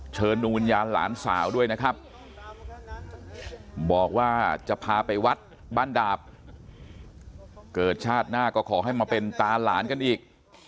เชิญดวงวิญญาณหลานสาวด้วยนะครับบอกว่าจะพาไปวัดบ้านดาบเกิดชาติหน้าก็ขอให้มาเป็นตาหลานกันอีก